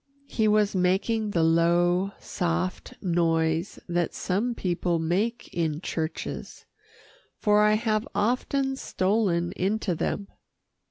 He was making the low, soft noise that some people make in churches, for I have often stolen into them.